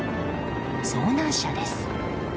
遭難者です。